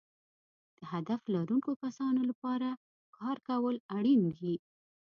د هدف لرونکو کسانو لپاره کار کول اړین دي.